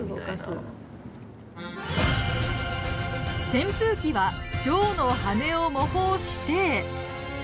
扇風機はチョウの羽を模倣して。